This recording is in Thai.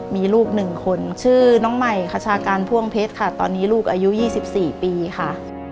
มีลูก๑คนชื่อน้องใหม่คชาการพ่วงเพชรค่ะตอนนี้ลูกอายุ๒๔ปีค่ะ